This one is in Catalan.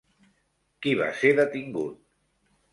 Qui va ser detingut?